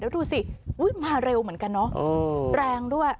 แล้วดูสิอุ๊ยมาเร็วเหมือนกันน่ะโอ้แรงด้วย